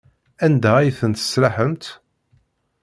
Anda ay tent-tesraḥemt?